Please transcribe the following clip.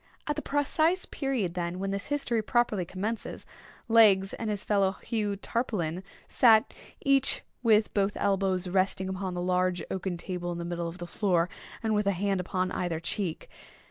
At the precise period, then, when this history properly commences, Legs, and his fellow Hugh Tarpaulin, sat, each with both elbows resting upon the large oaken table in the middle of the floor, and with a hand upon either cheek.